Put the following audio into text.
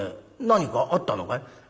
何かあったのかい？」。